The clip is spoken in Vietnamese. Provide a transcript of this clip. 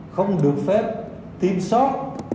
không được phép tiêm sót